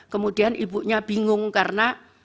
kemudian ibunya bingung karena